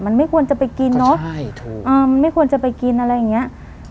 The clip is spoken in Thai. มันไม่ควรจะไปกินเนอะมันไม่ควรจะไปกินอะไรอย่างเงี้ย